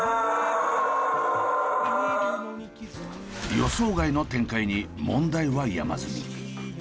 予想外の展開に問題は山積み。